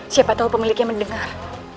siapa tau pemiliknya mendengar